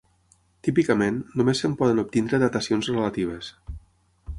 Típicament, només se'n poden obtenir datacions relatives.